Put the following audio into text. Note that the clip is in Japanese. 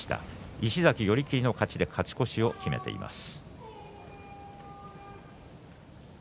石崎は寄り切りで勝ち越しを決めています。